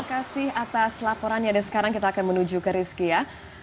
terima kasih atas laporannya dan sekarang kita akan menuju ke rizky ya